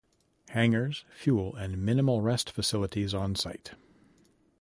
Hangars, fuel, and minimal rest facilities on site.